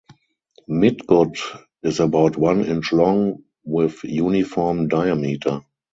Midgut is about one inch long with uniform diameter.